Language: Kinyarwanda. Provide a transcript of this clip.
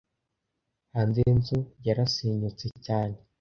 Hanze yinzu yarasenyutse cyane.